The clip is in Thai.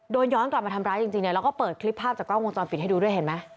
ย้อนกลับมาทำร้ายจริงเนี่ยแล้วก็เปิดคลิปภาพจากกล้องวงจรปิดให้ดูด้วยเห็นไหม